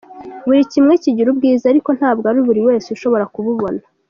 Buri kimwe kigira ubwiza, ariko ntabwo ari buri wese ushobora kububona.